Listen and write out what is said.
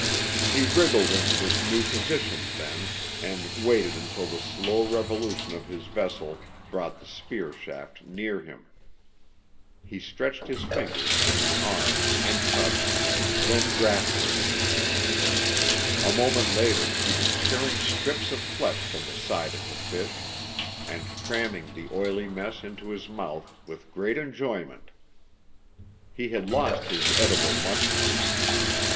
He wriggled into this new position, then, and waited until the slow revolution of his vessel brought the spear shaft near him. He stretched his fingers and his arm, and touched, then grasped it. A moment later he was tearing strips of flesh from the side of the fish and cramming the oily mess into his mouth with great enjoyment. He had lost his edible mushroom.